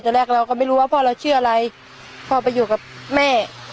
แรกเราก็ไม่รู้ว่าพ่อเราชื่ออะไรพ่อไปอยู่กับแม่